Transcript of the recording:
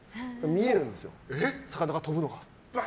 見えるんですよ、魚が跳ぶのが。